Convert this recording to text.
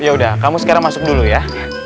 ya udah kamu sekarang masuk dulu ya